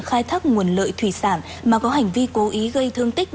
khai thác nguồn lợi thủy sản mà có hành vi cố ý gây thương tích